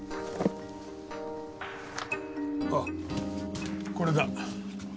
あっこれだ。